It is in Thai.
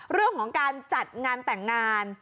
เรื่องของการจัดงานแต่งงาน